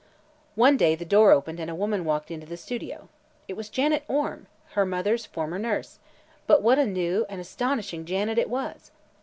One day the door opened and a woman walked into the studio. It was Janet Orme, her mother's former nurse, but what a new and astonishing Janet it was!